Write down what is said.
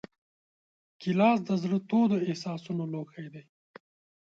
ګیلاس د زړه تودو احساسونو لوښی دی.